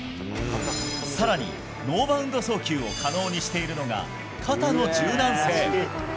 さらに、ノーバウンド送球を可能にしているのが肩の柔軟性。